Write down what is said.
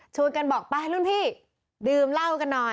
กันบอกไปรุ่นพี่ดื่มเหล้ากันหน่อย